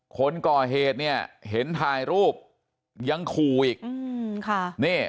คนก่อเหตุเนี่ยเห็นถ่ายรูปยังขู่อีกค่ะ